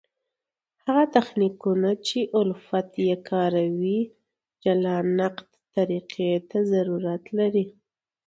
هغه تخنیکونه، چي الفت ئې کاروي جلا نقد طریقي ته ضرورت لري.